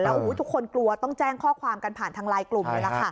โอ้โหทุกคนกลัวต้องแจ้งข้อความกันผ่านทางไลน์กลุ่มเลยล่ะค่ะ